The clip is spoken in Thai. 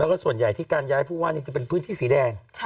แล้วก็ส่วนใหญ่ที่การย้ายผู้ว่านี่จะเป็นพื้นที่สีแดง